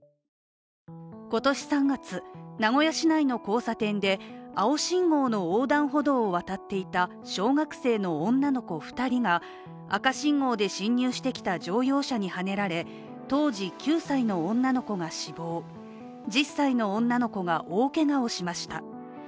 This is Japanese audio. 今年３月、名古屋市内の交差点で青信号の横断歩道を渡っていた小学生の女の子２人が赤信号で進入してきた乗用車にはねられ当時９歳の女の子が死亡、１０歳の女の子が大けがをしました。